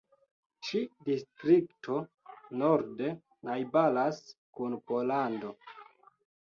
Ĉi-distrikto norde najbaras kun Pollando.